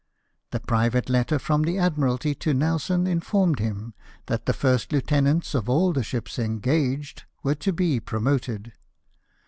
The private letter from the Admiralty to Nelson informed him that the first lieutenants of all the ships engaged were to be promoted.